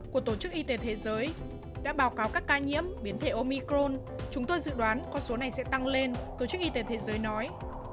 của tổ chức y tế thế giới đã báo cáo các ca nhiễm biến thể omicron chúng tôi dự đoán con số này sẽ tăng lên tổ chức y tế thế giới nói